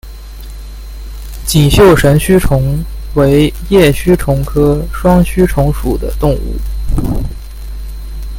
锦绣神须虫为叶须虫科双须虫属的动物。